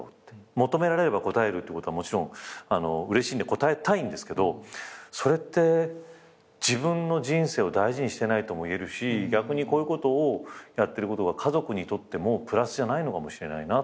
求められれば応えるってことはもちろんうれしいんで応えたいんですけどそれって自分の人生を大事にしてないともいえるし逆にこういうことをやってることが家族にとってもプラスじゃないのかもしれない。